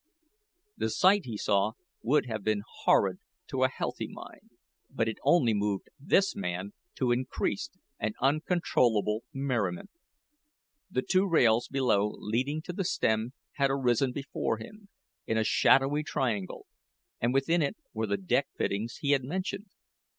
The sight he saw would have been horrid to a healthy mind, but it only moved this man to increased and uncontrollable merriment. The two rails below leading to the stem had arisen before him in a shadowy triangle; and within it were the deck fittings he had mentioned.